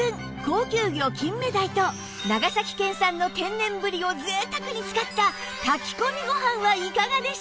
高級魚金目鯛と長崎県産の天然ぶりをぜいたくに使った炊き込みご飯はいかがでしょう？